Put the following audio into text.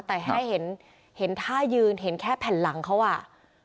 แต่แค่เห็นท่ายืนเห็นแค่แผ่นหลังเขาอ่ะ